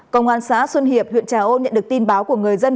công an xã xuân hiệp huyện trà ôn nhận được tin báo của người dân